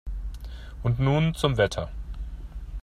Und nun zum Wetter.